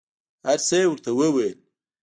هر څه یې ورته وویل.